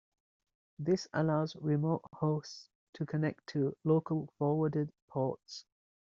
This allows remote hosts to connect to local forwarded ports.